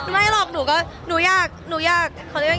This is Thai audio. ไม่ครับหนูยาก